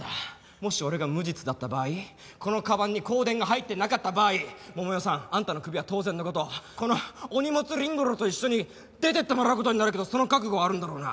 もし俺が無実だった場合このカバンに香典が入ってなかった場合桃代さん。あんたのクビは当然の事このお荷物凛吾郎と一緒に出ていってもらう事になるけどその覚悟はあるんだろうな？